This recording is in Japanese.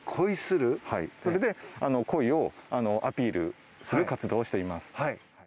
それで、鯉をアピールする活動をしています。